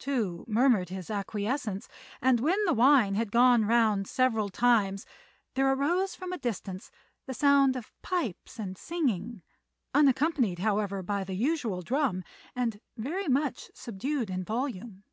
Tou murmured his acquiescence; and when the wine had gone round several times there arose from a distance the sound of pipes and singing, unaccompanied, however, by the usual drum, and very much subdued in volume.